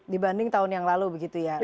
dibanding tahun yang lalu begitu ya